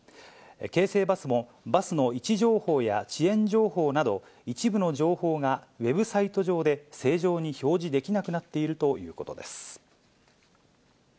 京成バスも、バスの位置情報や遅延情報など、一部の情報がウェブサイト上で正常に表示できなくなっているということです。